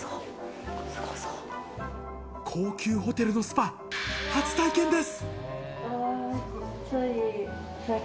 高級ホテルのスパ、初体験です。